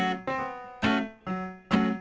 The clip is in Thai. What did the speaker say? น่ารัก